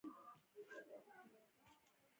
د پوزې د پاکوالي لپاره د مالګې او اوبو څاڅکي وکاروئ